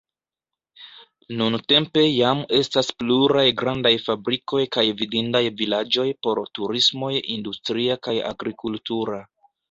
Nuntempe jam estas pluraj grandaj fabrikoj kaj vidindaj vilaĝoj por turismoj industria kaj agrikultura.